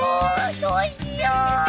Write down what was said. どうしよう